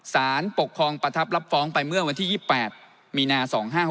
สารปกครองประทับรับฟ้องไปเมื่อวันที่๒๘มีนา๒๕๖๖